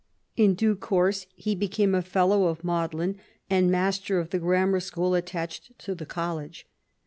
In due course he became a Fellow of Magdalen, and master of the grammar school attached to the College.